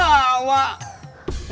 lu buat mu jaheer lu